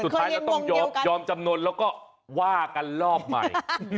สุดท้ายเราต้องยอมจำนวนแล้วก็ว่ากันรอบใหม่